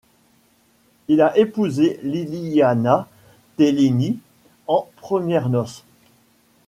Il a épousé Liliana Tellini en premières noces.